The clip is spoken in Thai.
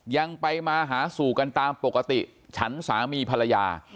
ยังไปมาหาสู่กันตามปกติฉันสามีภรรยา